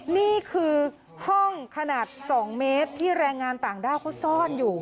นี่คือห้องขนาด๒เมตรที่แรงงานต่างด้าวเขาซ่อนอยู่